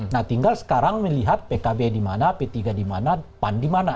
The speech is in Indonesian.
nah tinggal sekarang melihat pkb di mana p tiga di mana pan di mana